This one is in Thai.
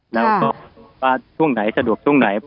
แล้วก็ว่าช่วงไหนสะดวกช่วงไหน